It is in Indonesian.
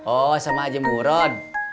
oh sama aja murot